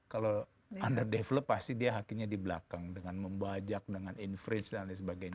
kalau underdeveloped pasti dia hakinya di belakang dengan membajak dengan infringe dan lain sebagainya